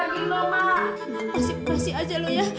masih masih aja lu ya